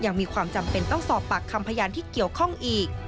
ยังมีความจำเป็นต้องสอบปากคำพยานที่เกี่ยวข้องอีก